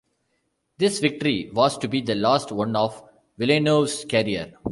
This victory was to be the last one of Villeneuve's career.